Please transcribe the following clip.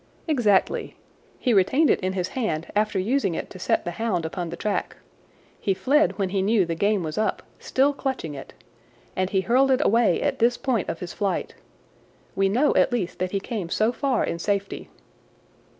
"Exactly. He retained it in his hand after using it to set the hound upon the track. He fled when he knew the game was up, still clutching it. And he hurled it away at this point of his flight. We know at least that he came so far in safety."